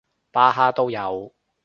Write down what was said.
巴哈都有